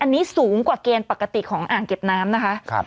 อันนี้สูงกว่าเกณฑ์ปกติของอ่างเก็บน้ำนะคะ